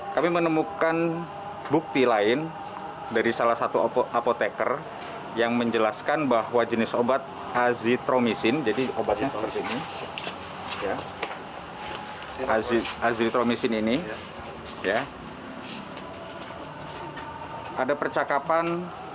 kami menemukan bukti lain dari salah satu apoteker yang menjelaskan bahwa jenis obat azitromisin